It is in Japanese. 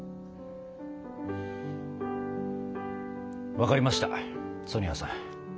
分かりましたソニアさん。